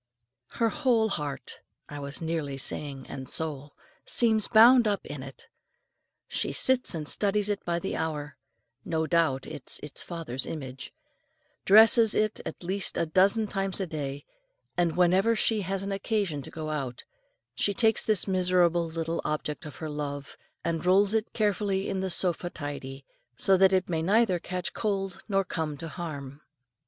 Her whole heart I was nearly saying "and soul" seems bound up in it. She sits and studies it by the hour no doubt it is its father's image dresses it at least a dozen times a day, and whenever she has occasion to go out, she takes this miserable little object of her love, and rolls it carefully in the sofa tidy, so that it may neither catch cold nor come to harm.